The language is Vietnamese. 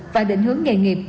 và định hướng nghề nghiệp